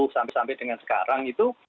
sampai dengan sekarang itu